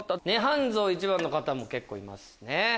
涅槃像１番の方も結構います。